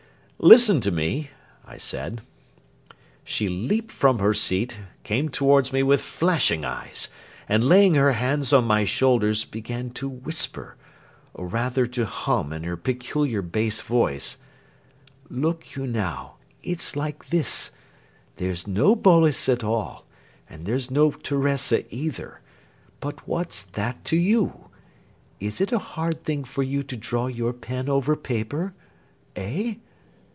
"Listen to me," I said. She leaped from her seat, came towards me with flashing eyes, and laying her hands on my shoulders, began to whisper, or rather to hum in her peculiar bass voice: "Look you, now! It's like this. There's no Boles at all, and there's no Teresa either. But what's that to you? Is it a hard thing for you to draw your pen over paper? Eh?